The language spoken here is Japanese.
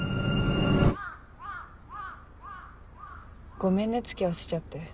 ごめんね付き合わせちゃって。